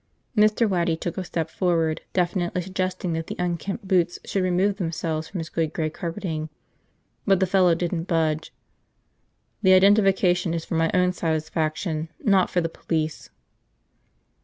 Mr. Waddy took a step forward, definitely suggesting that the unkempt boots should remove themselves from his good gray carpeting. But the fellow didn't budge. "The identification is for my own satisfaction, not for the police."